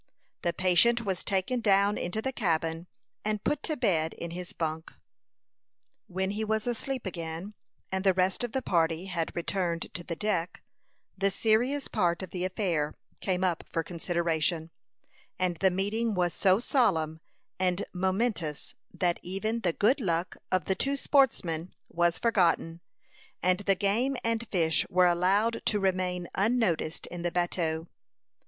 The patient was taken down into the cabin, and put to bed in his bunk. When he was asleep again, and the rest of the party had returned to the deck, the serious part of the affair came up for consideration; and the meeting was so solemn and momentous that even the good luck of the two sportsmen was forgotten, and the game and fish were allowed to remain unnoticed in the bateau.